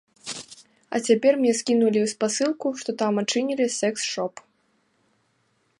А цяпер мне скінулі спасылку, што там адчынілі сэкс-шоп.